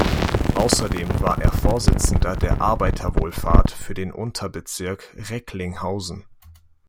Außerdem war er Vorsitzender der Arbeiterwohlfahrt für den Unterbezirk Recklinghausen.